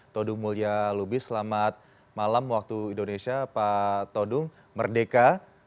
todung mulya lubis selamat malam waktu indonesia pak todung merdeka